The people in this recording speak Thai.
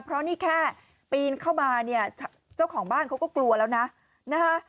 เพราะนี่แค่ปีนเข้ามาเนี่ยเจ้าของบ้านเขาก็กลัวแล้วนะนะคะ